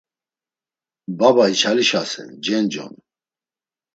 Baba içilasen, cenc’on.